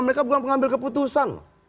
mereka bukan pengambil keputusan